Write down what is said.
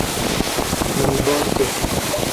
Min bar kir.